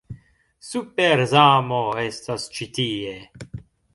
Super-Zamo estas ĉi tie